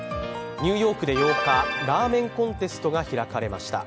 ニューヨークで８日ラーメン・コンテストが開かれました。